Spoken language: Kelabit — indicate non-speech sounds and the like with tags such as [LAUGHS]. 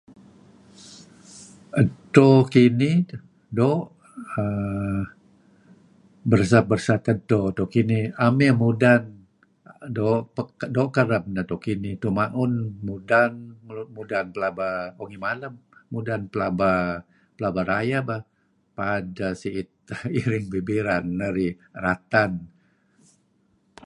Edto kinih doo' uhm beresat-beresat edto kinih 'am iyeah mudan. Doo' kareb nah edto kinih . 'Dto mauh mudan mudan pelaba, oh ngimalem mudan pelba rayeh bah paad siit [LAUGHS] iring bibiran narih dih ratan.